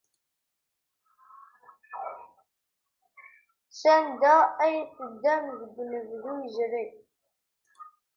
Sanda ay teddam deg unebdu yezrin?